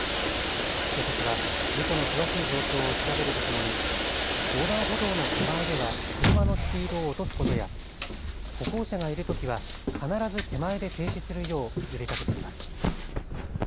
警察は事故の詳しい状況を調べるとともに横断歩道の手前では車のスピードを落とすことや歩行者がいるときは必ず手前で停止するよう呼びかけています。